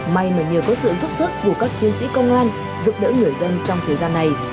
may mà nhờ có sự giúp sức của các chiến sĩ công an giúp đỡ người dân trong thời gian này